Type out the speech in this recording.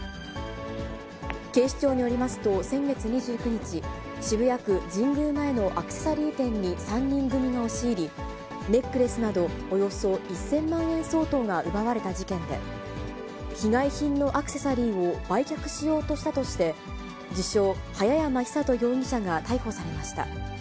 警視庁によりますと、先月２９日、渋谷区神宮前のアクセサリー店に３人組が押し入り、ネックレスなど、およそ１０００万円相当が奪われた事件で、被害品のアクセサリーを売却しようとしたとして、自称、早山尚人容疑者が逮捕されました。